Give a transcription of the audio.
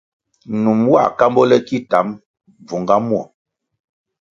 Num nwā kambo le ki tam, bvunga muo.